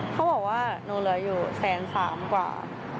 เขาบอกว่าหนูเหลืออยู่แสนสามกว่า